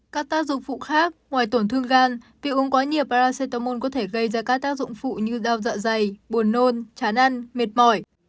các tác dụng phụ khác ngoài tổn thương gan việc uống quá nhiệt pratamol có thể gây ra các tác dụng phụ như đau dạ dày buồn nôn chán ăn mệt mỏi